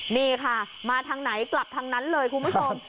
นี่ค่ะมาทางไหนกลับทางนั้นเลยคุณผู้ชม